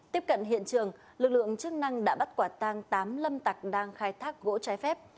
tiếp cận hiện trường lực lượng chức năng đã bắt quả tang tám lâm tặc đang khai thác gỗ trái phép